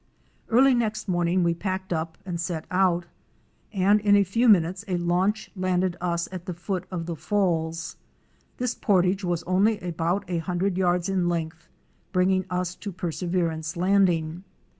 Early next morning we packed up and set out, and in a few minutes a launch landed us at the foot of the falls. This portage was only about a hundred yards in length, bringing us to Perseverance Landing.